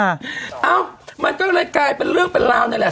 เอ้ามันก็เลยกลายเป็นเรื่องเป็นราวนั่นแหละ